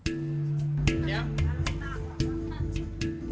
itu memang harus benar benar kita meroboh